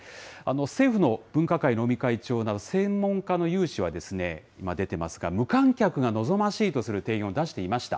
政府の分科会の尾身会長など、専門家の有志は、今、出ていますが、無観客が望ましいとする提言を出していました。